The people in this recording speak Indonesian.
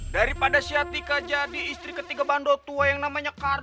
daripada si atika jadi istri ketiga bandotua yang namanya cardi